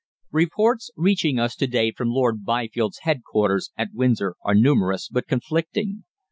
"Reports reaching us to day from Lord Byfield's headquarters at Windsor are numerous, but conflicting.